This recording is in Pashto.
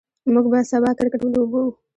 موږ به سبا کرکټ ولوبو.